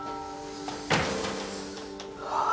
ああ。